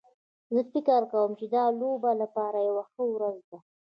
زه فکر کوم چې دا د لوبو لپاره یوه ښه ورځ ده